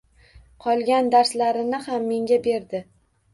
Qolgan darslarini ham menga berdi.